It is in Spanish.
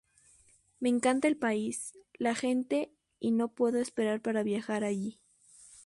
Me encanta el país, la gente y no puedo esperar para viajar allí.